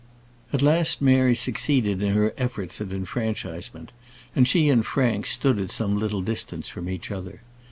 At last Mary succeeded in her efforts at enfranchisement, and she and Frank stood at some little distance from each other.